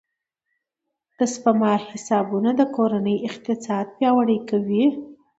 د سپما حسابونه د کورنۍ اقتصاد پیاوړی کوي.